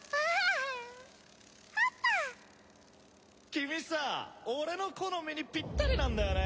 君さ俺の好みにぴったりなんだよね！